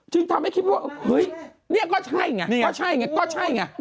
ทำให้คิดว่าเฮ้ยเนี่ยก็ใช่ไงก็ใช่ไงก็ใช่ไง